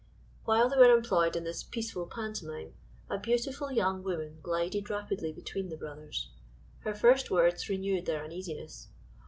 While they were employed in this peaceful pantomime a beautiful young woman glided rapidly between the brothers. Her first words renewed their uneasiness.